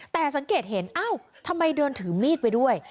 แต่สังเกตเห็นเอ้าทำไมเดินถือมีดไปด้วย